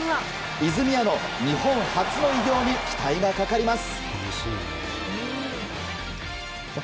泉谷の日本初の偉業に期待がかかります。